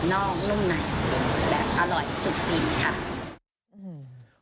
กรอบนอกนุ่มในและอร่อยสุดทีค่ะ